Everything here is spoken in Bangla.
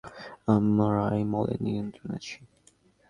আমরা এই মলের নিয়ন্ত্রণে আছি।